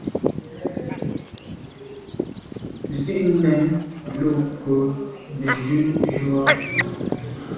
Zit mèn lo kô ne jun ju à.